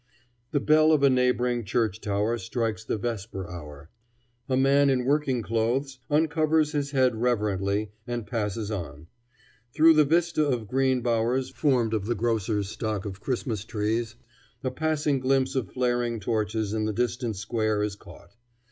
The bell of a neighboring church tower strikes the vesper hour. A man in working clothes uncovers his head reverently, and passes on. Through the vista of green bowers formed of the grocer's stock of Christmas trees a passing glimpse of flaring torches in the distant square is caught.